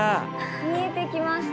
見えてきました。